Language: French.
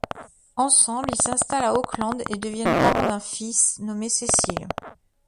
Ensemble, ils s'installent à Auckland et deviennent parents d'un fils, nommé Cecil.